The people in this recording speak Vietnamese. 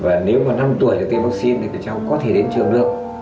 và nếu mà năm tuổi tiêm vaccine thì cái cháu có thể đến trường được